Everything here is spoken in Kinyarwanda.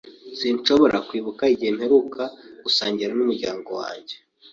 Sinshobora kwibuka igihe mperuka gusangira n'umuryango wanjye.